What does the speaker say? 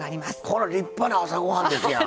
これ立派な朝ごはんですやん。